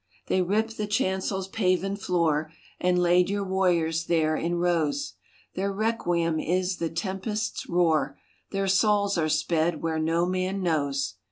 They ripped the chancel's paven floor And laid your warriors there in rows : Their requiem is the tempest's roar, Their souls are sped where no man knows.